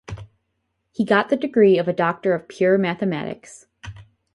He got the degree of a doctor of pure mathematics.